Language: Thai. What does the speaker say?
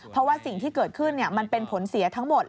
เพราะว่าสิ่งที่เกิดขึ้นมันเป็นผลเสียทั้งหมด